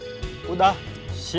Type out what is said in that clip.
jawaban itu sama miss bro